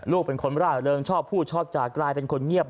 ลูกเป็นคนร่าเริงชอบพูดชอบจากกลายเป็นคนเงียบ